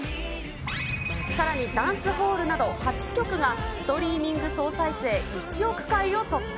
さらにダンスホールなど８曲が、ストリーミング総再生１億回を突破。